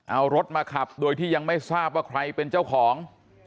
เอารถมาขับโดยที่ยังไม่ทราบว่าใครเป็นเจ้าของ